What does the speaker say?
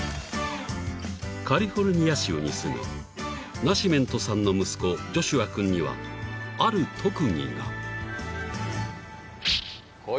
［カリフォルニア州に住むナシメントさんの息子ジョシュア君にはある特技が］